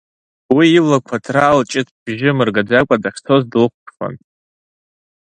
Уи иблақәа ҭраа, лҷыт бжьы мыргаӡакәа дахьцоз длыхәԥшуан.